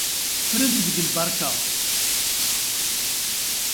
Ffrent deg lberka.